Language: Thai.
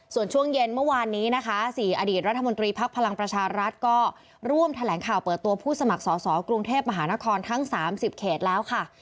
ส่วนช่วงเย็นเมื่อวานนี้นะคะ๔อดีตรัฐมนตรีภักดิ์พลังประชารัฐก็ร่วมแถลงข่าวเปิดตัวผู้สมัครสอสอกรุงเทพมหานครทั้ง๓๐เขตแล้วค่ะ